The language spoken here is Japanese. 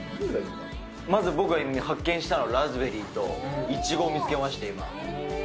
まず僕が発見したのはラズベリーとイチゴを見つけました、今。